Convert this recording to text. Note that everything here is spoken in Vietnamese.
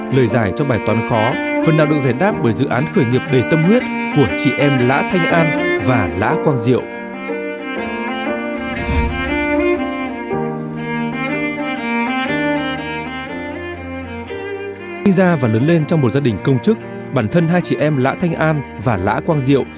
lời giải cho bài toán khó phần nào được giải đáp bởi dự án khởi nghiệp đầy tâm huyết của chị em lã thanh an và lã quang diệu